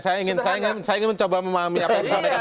saya ingin coba memahami apa yang